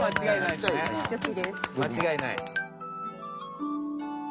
間違いない。